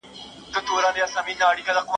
زه له سهاره سبزیجات وچوم!.